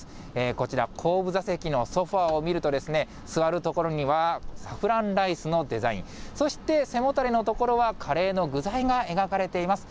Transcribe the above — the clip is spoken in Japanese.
こちら、後部座席のソファを見ると、座る所には、サフランライスのデザイン、そして背もたれの所はカレーの具材が描かれています。